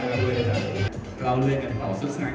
ทานเสร็จแล้วเรารู้สึกว่าเอ๊ะทานละอยากจะดมอีก